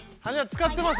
使ってます。